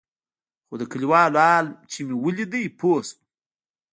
خو د كليوالو حال چې مې ولېد پوه سوم.